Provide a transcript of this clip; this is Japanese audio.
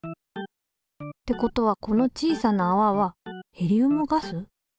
ってことはこの小さなあわはヘリウムガス？